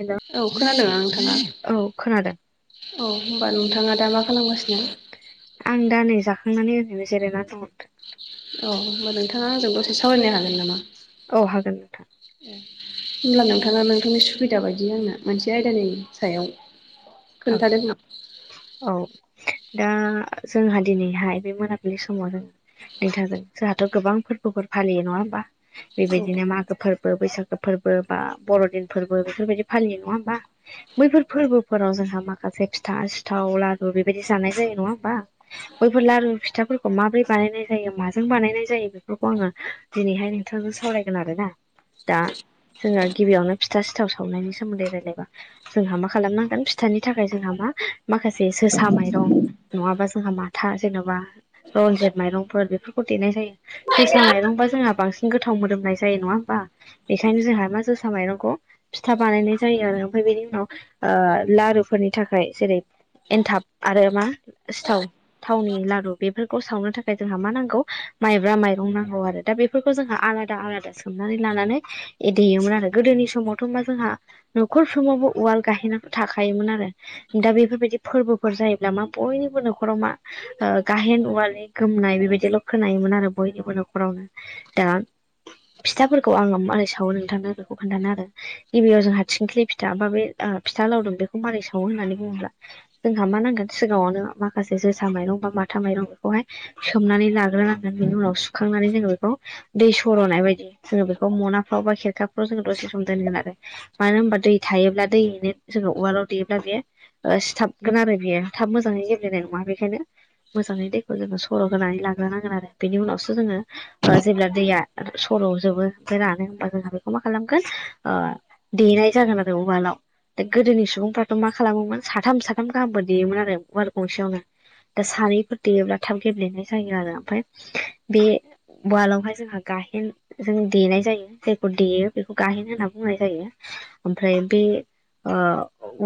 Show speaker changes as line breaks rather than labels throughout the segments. हेल'
औ खोनादों ना नोंथाङा?
औ खोनादों।
औ होमबा नोंथाङा दा मा खालामगासिनो?
आं दा नै जाखांनानै ओरैनो जिरायनानै दङ।
औ होमबा नोंथाङा आंजों दसे सावरायनो हागोन नामा?
औ हागोन नोंथां।
उम होमब्ला नोंथाङा नोंथांनि सुबिदा बायदि आंनो मोनसे आयदानि सायाव
औ
खोन्थादो ना
औ दा जोंहा दिनैहाय बे मोनाबिलि समाव जों नोंथांजों जोंहाथ' गोबां फोरबोफोर फालियो नङा होमबा
औ
बेबायदिनो मागो फोरबो बैसागो फोरबो फोरबो बा बर'दिन फोरबो बेफोरबायदि फालियो नङा होमबा बैफोर फोरबोफोराव जों माखासे फिथा, सिथाव, लारु बेबायदि जानाय जायो नङा होमबा बैफोर लारु फिथाफोरखौ माब्रै बानायनाय जायो माजों बानायनाय जायो बेफोरखौ आङो दिनैहाय नोंथांजों सावरायगोन आरोना। दा जोङो गिबियावनो फिथा सिथाव सावनायनि सोमोन्दै रायलायबा जोंहा मा खालामनांगोन फिथा फिथानि थाखाय जोंहा मा माखासे जोसा माइरं नङाबा जोंहा माथा जेन'बा रनजित माइरंफोर बेफोरखौ देनाय जायो। जोसा माइरंबा जोंहा बांसिन गोथाव मोदोमनाय जायो नङा होमबा? बेखायनो जोंहा मा जोसा माइरंखौ फिथा बानायनाय जायो आरो ओमफाय बेनि उनाव ओ लारुफोरनि थाखाय जेरै एन्थाब आरो मा सिथाव थावनि लारु बेफोरखौ सावनो थाखाय जोंहा मा नांगौ माइब्रा माइरं नांगौ आरो दा बे बेफोरखौ जोंहा आलादा आलादा सोमनानै लानानै देयोमोन आरो गोदोनि समावथ' मा हा जोंहा न'खर फ्रोमावबो उवाल गायहेना थाखोमोन आरो दा बेफोरबायदि फोरबोफोर जायोब्ला मा बयनिबो न'खराव मा गाहेन औवालनि गोमनाय बेबायदिल' खोनायोमोन आरो बयनिबो न'खरावनो दा फिथाफोरखौ आङो मारै सावो नोंथांनो बेखौ खोन्थानो आरो गिबियाव जोंहा थिंख्लि फिथा बा बे फिथा लावदुम बेखौ मारै सावो होननानै बुङोब्ला जोंहा मा नांगोन सिगाङावनो माखासे जोसा माइरं बा माथा माइरं बेखौहाय सोमनानै लाग्रोनांगोन बेनि उनाव सुखांनानै जोङो बेखौ दै सर'नाय बायदि जोङो बेखौ मनाफ्राव बा खेरखाफ्राव जोङो दसे सम दोनगोन आरो मानो होनबा दै थायोब्ला दैयैनो जोङो उवालाव देयोब्ला बेयो सिथाबगोन आरो बेयो थाब मोजाङै गेब्लेनाय नङा बेखायनो मोजाङै दैखौ जोङो सर' होनानै लाग्रोनांगोन आरो बेनि उनावसो जोङो जेब्ला दैया सर'जोबो ओमफ्राय रानो होमबा जोंहा बेखौ मा खालामगोन देनाय जागोन आरो उवालाव दा गोदोनि सुबुंफ्राथ' मा खालामोमोन साथाम साथाम गाहामबो देयोमोन आरो वार गंसेयावनो। दा सानैफोर देयोब्ला थाब गेब्लेनाय जायो आरो ओमफफ्राय बे वालावहाय जोंहा गाहेन जों देनाय जायो जायखौ देयो बेखौ गाहेन होनना बुंनाय जायो ओमफ्राय बे ओ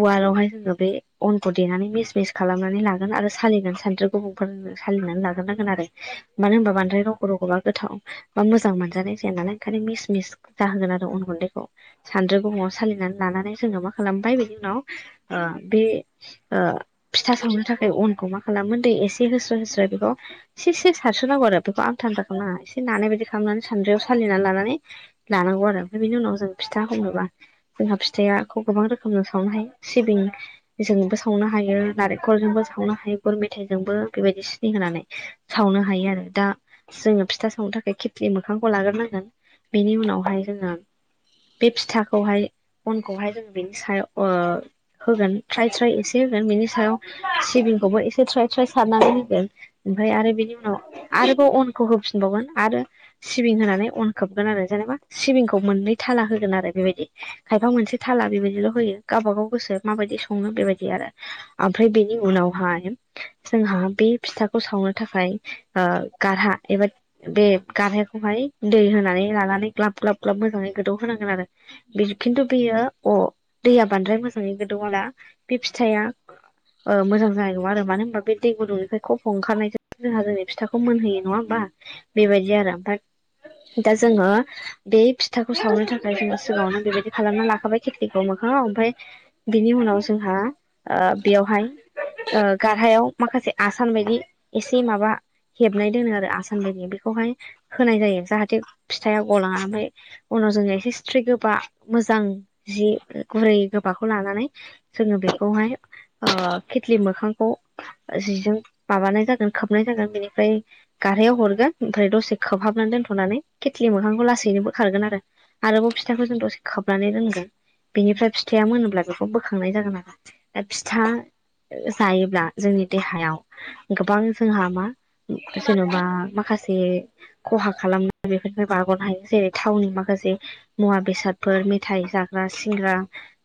उवालावहाय जोङो बे अनखौ देनानै मिस मिस खालामनानै लागोन आरो सालिगोन सानद्रि गुबुंफोर सालिनानै लाग्रोनांगोन आरो मानो होनबा बांद्राय रग' रग'बा गोथाव बा मोजां मोनजानाय जाया नालाय ओंखायनो मिस मिस जाहोगोन आरो उन गुन्दैखौ। सान्द्रि गुबुङआव सालिनानै लानानै जोङो मा खालामबाय बेनि उनाव बे ओ फिथा सावनो थाखाय अनखौ मा खालामो दैे एसे होस्रो होस्रो बेखौ एसे एसे सारसो नांगौ आरो बेखौ आं थान्था खालामनााङा एसे नानाय बाददि खालामनानै सान्द्रियाव सालिनानै लानानै लानांगौ आरो ओमफ्राय बिनि उनाव जों फिथा हमनोबा जोंहा फिथाइखौ गोबां रोखोमजों सावनो हायो सिबिं जोंबो सावनो हायो नारेंखलजोंबो सावनो हायो गुर मेथाइजोंबो बेबायदि सिनि होनानै सावनो हायो आरो दा जोङो फिथा सावनो थाखाय खिथिलि मोखांखौ लाग्रोनांगोन बेनि उनावहाय जोङो बे फिथाखौहाय बनखौहाय जोङो बिनि साया‌व ओ होगोन थ्राय थ्राय एसे होगोन बेनि सायाव सिबिंखौबो एसे थ्राय थ्राय सारनानै होगोन ओमफ्राय आरो बिनि उनाव आरोबाव अनखौ होफिनबावगोन आरो सिबिं होनानै अनखोबगोन आरो जेनेबा सिबिंखौ मोननै थाला होगोन आरो बेबायदि खायफा मोनसे थाला बेबायदि ल' होयो गावबा गाव गोसो माबायदि सङो बेबायदि आरो ओमफ्राय बेनि उनावहाय जोंहा बे फिथाखौ सावनो थाखाय गारहा एबा बे गारहखौहाय दै होनानै लानानै ग्लाब ग्लाब ग्लाब मोजाङै गोदौ होनोनांगोन आरो बि खिन्थु बेयो अ दैया बांद्राय मोजाङै गोदौला बे फिथाइआ ओ मोजां जानाय नङ आरो मानो होनबा बे दै गुदुंनिफ्राय खफ' ओंखारनायजों जोंहा जोंनि फिथाखौ मोनहोयो नङा होमबा बेबायदि आरो ओमफ्राय दा जोङो बे फिथाखौ सावनो थाखाय जोङो सिगाङावनो बेबायदि खालामना लाखाबाय खि दैखौ मोखाङाव ओमफफ्राय बिनि उनाव जोंहा ओ बेयावहाय ओ गारहायाव माखासे आसान बायदि एसे माबा हेबनाय दोनो आरो आसान बायदि बेखौहाय होनाय जायो जाहाथे फिथाइआ गलाङा ओमफ्राय उनाव जोङो एसे सिथ्रि गोबा मोजां जि गुरै गोबाखौ लानानै जोङो बेखौहाय ओ खितलि मोखांखौ जिजों माबानाय जागोन खोबनाय जागोन बेनिफ्राय गारहायाव हरगोन ओमफ्राय दसे खोबहाबनानै दोनथ'नानै खेथ्लि मोखांखौ लासैनोबो खारगोन आरो आरोबाव फिथाइखौ जों दसे खोबनानै दोनगोन बेनिफ्राय फिथाइया मोनोब्ला बेखौ बोखांनाय जागोन आरो फिथा जायोब्ला जोंनि देहायाव गोबां जोंहा मा जेन'बा माखासे जे खहा खालामनो बेफोरनिफ्राय बारग'नो हायो जेरै थावनि माखासे मुवा बेसादफोर मेथायाइ जाग्रा सिंग्रा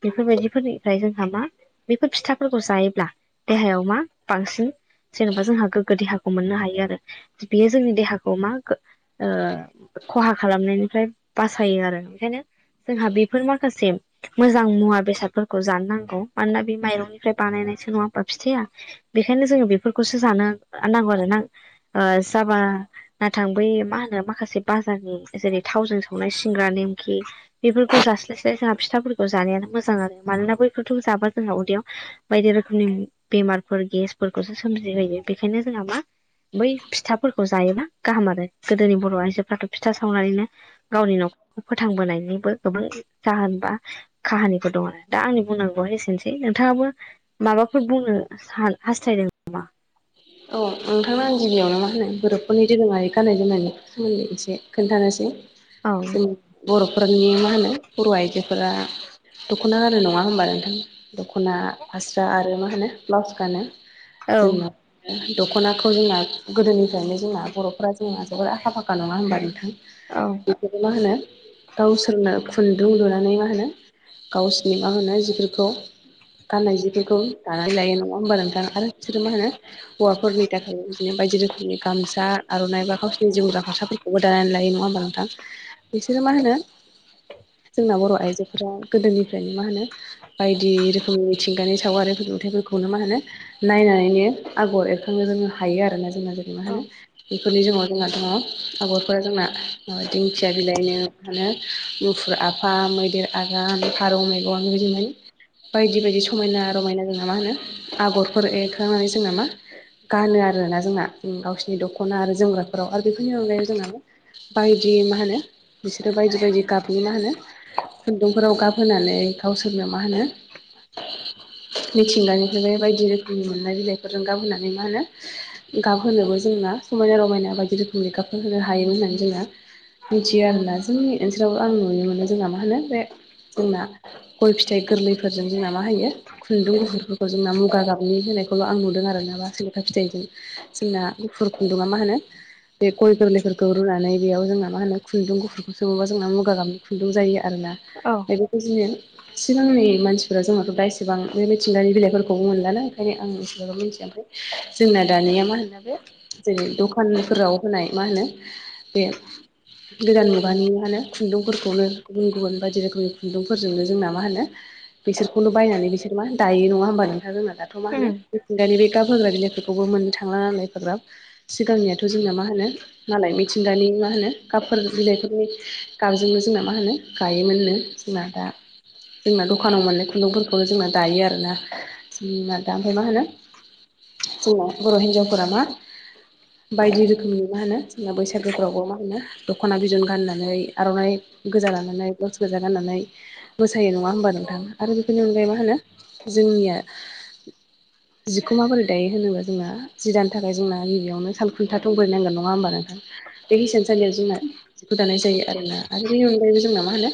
बेफोरबायदिफोरनिफ्राय जोंहा मा बेफोर फिथाफोरखौ जायोब्ला देहायाव मा बांसिन जेन'बा जोंहा गोग्गो देहाखौ मोननो हायो आरो बेयो जोंनि देहाखौ मा ओ खहा खालामनायनिफ्राय बासायो आरो ओंखायनो जोंहा बेफोरनि ससे मोजां मुवा बेसादफोरखौ जानो नांगौ मानोना बे माइरंनिफ्राय बानायनायसो नङा हा फिथाइया बेखायनो जोङो बेफोरखौसो जानो नांगौ आरो ओ ना जाबा नाथां बै मा होनो माखासे बाजारनि जेरै थावजों संनाय सिंग्रा नेमखि बेफोरखौ जास्लायस्लाय जोंहा फिथाफोरखौ जानायानो मोजां आरो मानोना बैखौथ' जाबा जोंहा उदैयाव बायदि रोखोमनि बेमारफोर गेसफोरखौसो सोमजिहोयो बेखायनो जोंहा मा बै फिथाफोरखौ जायोबा गाहाम आरो गोदोनि बर' आइजोफ्राथ' फिथा सावनानैनो गावनि न'खरखौ फोथांबोनायनिबो गोबां जाहोन बा काहानिफोर दं आरो दा आंनि बुंनांगौआ एसेनोसै नोंथाङाबो माबाफोर बुंनो हा-हास्थायदों नामा?
औ नोंथां आं गिबियावनो मा होनो बर'फोररनि दोरोङारि गान्नाय जोमनायनायनि सोमोन्दै एसे खोन्थानोसै
औ
जों बर'फोरनि मा होनो बर' आइजोफोरा दख'ना गानो नङा होमबा नोंथां दख'ना फास्रा आरो मा होनो ब्लाउस गानो
औ
जोंना दख'नाखौ जोंना गोदोनिफ्रायनो जोंना बर'फ्रा जोंना जोबोद आखा फाखा नङा होनबा नोंथां
औ
बेफोरखौ मा होनो गावसोरनो खुन्दुं लुनानै मा होनो गावसिनि मा होनो जिफोरखौ गान्नाय जिफोरखौ दानानै लायो नङा होमबा नोंथां आरो बिसोरो मा होनो हौवाफोरनि थाखाय बिदिनो बायदि रोखोमनि गामसा आर'नाइ बा गावसिनि जोमग्रा फासाफोर नआव दानानै लायो नङा ओमबा नोंथां बिसोरो मा होनो जोंना बर' आइजोफोरा गोदोनिफ्रायनो मा होनो बायदि रोखोमनिथिंगानि सावगारिफोर नुथाइफोरखौनो मा होनो नायनानैनो आगर एरखांनो जोङो हायो आरोना जोंना जेरै मा
औ
होनो बेफोरनि [unintelligible] जोंहा दङ आगरफोरा जोंना माबा दिंखिया बिलाइनो माहोनो मुफुर आफा, मैदेर आगान, फारौ मेगन बिबायदिमोन बायदि बायदि समायना रमायना जोंना मा होनो आगरफोर एरखांनानै जोंना मा गानो आरोना जोंना ओ गावसिनि दख'ना आरो जोमग्राफोराव आरो बेफोरनि अनगायै जोंना बायदि मा होनो बिसोरो बायदि बायदि गाबनि मा होनो खुन्दुंफोराव गाबहोनानै गावसोरनो मा होनो मिथिंगानिफ्राय बायदि रोखोमनि मोननाय बिलाइफोरजों गाबहोनानै मा होनो गाब होनोबो जोंना समायना रमायना बायदि रोखोमनि गाबफोर होनो हायोम होननानै जोंना मिथियो आरोना जोंनि ओनसोलाव आं नुनो मोनो जोंना मा होनो बे जोंना गय फिथाइ गोरलैफोरजों जोंना मा होयो खुन्दुं गुफुरफोरखौ जोंना मुगा गाबनि होनायखौ आं नुनो दों आरोना बा सिलिखा फिथाइजों जोंना गुफुर खुन्दुंङा मा होनो बे गय गोरलैफोरखौ रुनानै बेयाव जोंना मा होनो खुन्दुं गुफुरखौ सोबोब्ला जोंना मुगा गाबनि खुन्दुं जायो आरो ना
औ
बेफोरखौदियो सिगांनि मानसिफोरा जोंहाथ' दा एसेबां बे मिथिंगानि बिलाइफोरखौबो मोनलानो ओंखायनो आं जों मिथियाखै जोंना दानिया मा होनो बे जेरै दखानफोराव होनाय मा होनो बे गोदान मुगानि मा होनो खुन्दुंफोरखौनो गुबुन गुबुन बादि रोखोमनि खुन्दुंफोरजोंनो जोंना मा होनो बिसोरखौनो बायनानै बिसोर मा होनो दायो नङा होनोमबा नोंथां जोंना दाथ' मा होनो
उम
मिथिंगानि बे गाबहोग्रा बिलाइफोरखौबो मोननो थांला नालाय एफाग्राब सिगांनियाथ' जोंना मा होनो मालाय मिथिंगानि मा होनो गाबफोर बिलाइफोरनि गाबजोंनो जोंना मा होनो गायोमोननो मादा जोंना दखानाव मोननाय खुन्दुंफोरखौनो जोंना दायो आरोना जोंना दा ओमफ्राय मा होनो जोंना बर'हिजाव फोरा मा बायदि रोखोमनि मा होनो जोंना बैसागो फोरावबो मा होनो दख'ना बिदन गाननानै आर'नाइ गोजा लानानै बाउस गोजा गाननानै मोसायो नङा होमबा नोंथां आरो बेफोरनि अनगायै मा होनो जोंनिया जिखौ माबोरै दायो होनोबा जोंना जि दानो थाखाय जोंना निबियावनो सालखुन्थाथ' बोरै नांगोन नङा होमबा नोंथां बे हिसानसालियाव जोंना जिखौ दानाय जायो आरोना आरो बेनि अनगायैबो जोंना मा होनो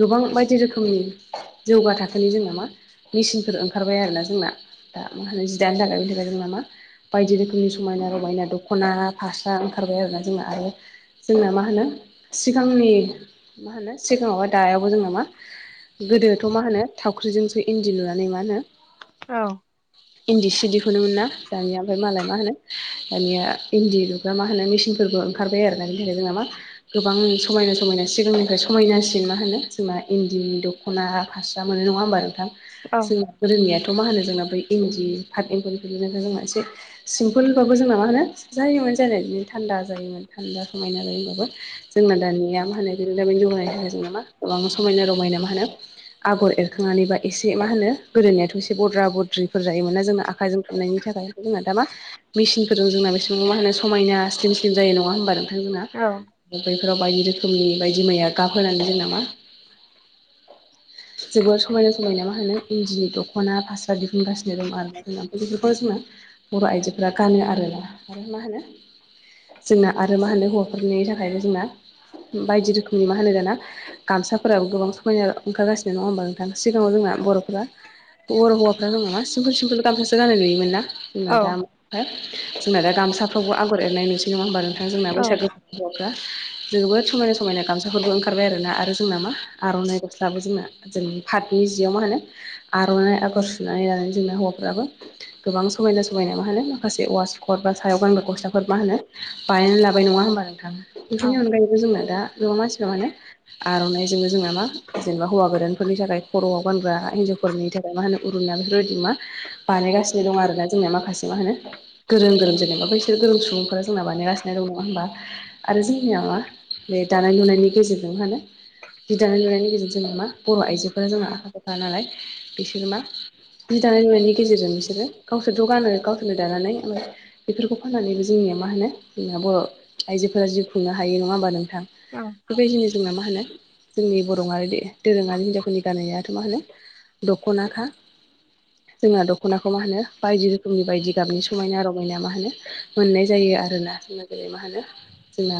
गोबां बायदि रोखोमनि जौगा थाखोनि जोंना मा मिसिनफोर ओंखारबाय आरोना जोंना दा मा होनो जिदानो थाखाय [unintelligible] जोंना मा बायदि रोखोमनि समायना रमायना दख'ना फास्रा ओंखारबाय आरोना जोंना आरो जोंना मा होनो सिगांनि मा होनो सिगाङाव बा दायावबो जोंना मा गोदोथ' मा होनो थावख्रिजोंसो इन्दि लुनानै मा होनो
औ
इन्दि सि दिहुनोमोना दानिया ओमफ्राय मालाय मा होनो दानिया इन्दि दा मा होनो मेसिनफोरबो ओंखारबाय आरो ना बेनि थाखाय जोंहा मा गोबां समायना समायना सिगांनिफ्राय समायनासिन मा होनो जोंना इन्दिनि द ख'ना फास्रा मोनो नङा होमबा नोंथां?
औ
जोंना गोदोनियाथ' मा होनो जोंना बै इनदि फाट एंगलिफोरनो जोंना एसे सिमपोलबाबो जोंना मा होनो जायोमोन जानाया बिदिनो थान्दा जायोमोन थान्दा समायना जायोमबाबो जोंना दानिया मा होनो बि दाबि जौगानाय थाखाय जों नामा गोबां समायना रमायना मा होनो आगर एरखांनानैबा एसे मा होनो गोदोनियाथ' एसे बद्रा बद्रि फोर जायोमोनना जोंना आखाइजों थुननायनि थाखाय जोंना दा मा मेसिनफोरजों जोंना बेसेबांंबा मा होनो समायना स्लिम स्लिम जायो नङा होमबा नोंथां जोंना?
औ
बैफोराव बायदि रोखोमनि बायदि मैया गाब होनानै जोंना मा जोबोद समायना समायना मा होनो इन्दिनि दख'ना फास्रा दि हुनगासिनो दं आरोना जोंना ओमफ्राय बेफोरखौ जोङो बर' आइजोफोरा गानो आरोना आरो मा होनो जोंना आरो मा होनो हौवाफोरनि थाखायबो जोंना बायदि रोखोमनि मा होनो दाना गामसाफोराबो गोबां समायना ओंखारगासिनो नङा होमबा नोंथां? सिगाङाव जोंना बर'फोरा बर' हौवाफ जोंना मा सिम्पोल सिम्पोल गामसासो गाननाय नुयोमोन ना जोंना दा फ्राय जोंना दा गामसाफ्रावबो आगर एरनाय नुसै नङा होमबा नोंथां? जोंना
औ
बैसागो बर'फ्रा जोबोद समायना समायना गामसाफोरबो ओंखारबाय आरोना आरो जोंना मा आर'नाइ गस्लाबो जोंना जों पााथनि जियाव मा होनो आर'नाइ आगर सुनानै लानिय जोंना हौवाफ्राबो गोबां समायना समायना मा होनो माखासे अवाास‌ कट बा सायाव गानग्रा गस्लाफोर मा होनो बानायनानै लाबाय नङा होनबा नोंथां? बेफोरनि अनगायैबो जोंना दा गोबां मानसिफ्रा माने आर'नाइजोंबो जोंना मा जेनेबा हौवा गोदानफोरनि थाखाय खर'आव गानग्रा हिन्जावफोरनि थाखाय मा होनो उरुना बेफोरबायदि मा बानायगासिनो दं आरोना जोंनिया माखासे मा होनो गोरों गोरों जेनेबा बैसोर गोरों सुबुंफोरा जोंना बानायगासिनो दं नङा होमबा? आरो जोंनिया मा बे दानाय लुनायनि गेजेरजों मा होनो जि दानाय लुनायनि गेजेरजों जोंना मा बर' आइजोफोरा जोंहा आखा फाखा नालाय बिसोरो मा जि दानाय लुनायनि गेजेरजों बिसोरो गावसोरथ' गानो गावसोरनो दानानै ओमफ्राय बेफोरखौ फाननानैबो जोंनिया मा होनो जोंनि बर' आइजोफोरा जिउ खुंनो हायो नङा होमबा नों थां?
औ
बे जिनिस जोंना मा होनो जोंनि बर'आरि दोरोङारि हिनजावफोरनि गाननायाथ' मा होनो दख'नााखा जोंना दख'नाखौ मा होनो बायदि रोखोमनि बायदि गाबनि समायना रमायना मा होनो मोननाय जायो आरोना जोंना बेलै मा होनो जोंना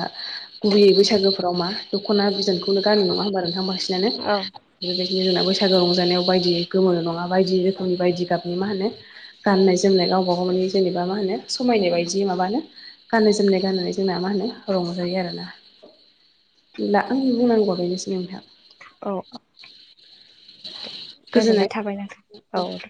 गुबैयै बैसागोफोराव मा दख'ना बिदनखौनो गाननो नङा होमबा नोंथां बांसि नानो
औ
बेफोरबायदिनो जोंना बैसागो रंजानायाव बायदि गोमो नङा बायदि रोखोमनि बायदि गाबनि मा होनो गाननाय जोमनाय गावबा गाव मानि जेनेबा मा होनो समायनाय बायदि माबानो गाननाय जोमनाय गाननानै जोंना मा होनो रंजायो आरोना। ला आंनि बुंनांगौआ बेनोसै नोंथां।
औ थाबाय नोंथां औ दे
गोजोननाय